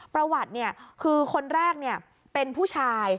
ประวัติคือคนแรกเป็นผู้ชาย